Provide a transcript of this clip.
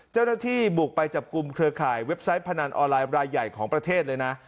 เจ้าหน้าที่บุกไปจับกลุ่มเครือข่ายเว็บไซต์พนันออนไลน์รายใหญ่ของประเทศเลยนะ